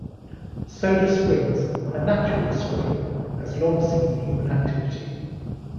Soda Springs, a natural spring, has long seen human activity.